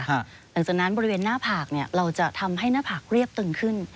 หลังจากนั้นบริเวณหน้าผากเราจะทำให้หน้าผากเรียบตึงขึ้น